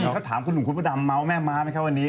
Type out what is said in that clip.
ถ้าถามทุ่งพรุธดำเม้าะม้าเขาก็แบบอย่างนี้